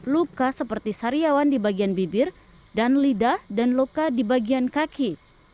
luka seperti sariawan di bagian bibir dan lidah dan luka di bagian kaki